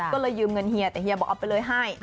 ก็เลยยืมเงินเฮียแต่เฮียบอกเอาไปเลยให้